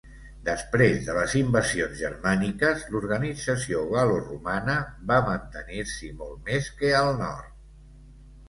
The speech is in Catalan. Després de les invasions germàniques, l'organització gal·loromana va mantenir-s'hi molt més que al nord.